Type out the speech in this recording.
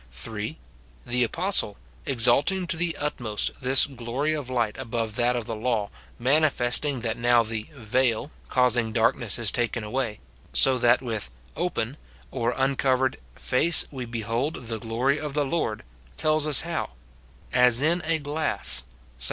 3. The apostle, exalting to the utmost this glory of light above that of the law, manifesting that now the "vail" causing darkness is taken away, so that with "open" or uncovered "face| we behold the glory of the Lord," tells us how : "As in a glass," 2 Cor.